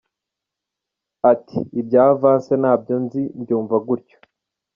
Ati “Ibya Avance ntabwo nyizi, mbyumva gutyo.